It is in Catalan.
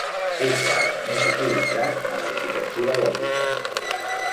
És l'arc més utilitzat en l'arquitectura gòtica.